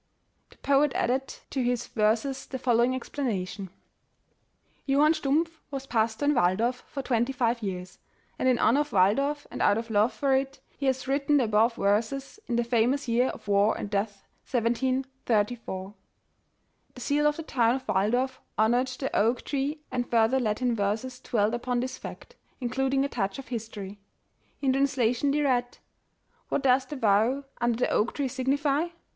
The poet added to his verses the following explana tion: ''Johann Stumpf was pastor in Walldorf for twenty five years, and in honor of Walldorf, and out of love for it, he has written the above verses in the famous year of war and death 1734." The seal of the town of Waldorf honored the oak tree, and further Latin verses dwelt upon this fact, in eluding a touch of history. In translation they read: '^ 'What does the vow under the oak tree signify'?